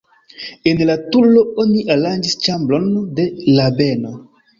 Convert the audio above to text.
En la turo oni aranĝis ĉambron de rabeno.